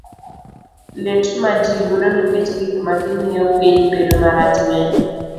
Lit ma ji yudo nikech gik ma gimiyo piny bedo marach ng'eny.